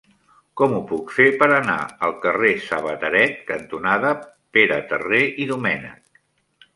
Com ho puc fer per anar al carrer Sabateret cantonada Pere Terré i Domènech?